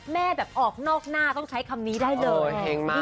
แบบออกนอกหน้าต้องใช้คำนี้ได้เลย